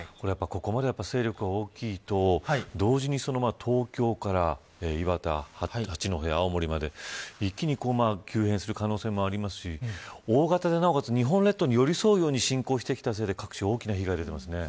ここまで勢力が大きいと同時に、東京から岩手、八戸、青森まで一気に急変する可能性もありますし大型で、なおかつ日本列島に寄り添うように進行してきたせいで各地に大きな被害が出てますね。